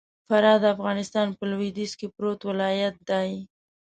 فراه د افغانستان په لوېديځ کي پروت ولايت دئ.